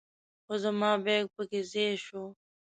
خو زما بیک په کې ځای شو.